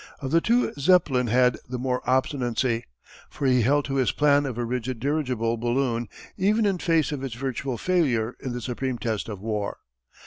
Of the two Zeppelin had the more obstinacy, for he held to his plan of a rigid dirigible balloon even in face of its virtual failure in the supreme test of war.